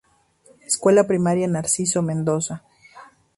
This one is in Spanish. Escuela Primaria Narciso Mendoza.